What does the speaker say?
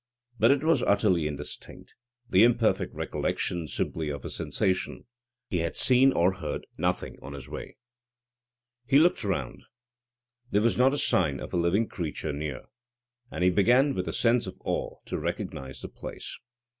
But it was utterly indistinct; the imperfect recollection simply of a sensation. He had seen or heard nothing on his way. He looked round. There was not a sign of a living creature near. And he began with a sense of awe to recognise the place.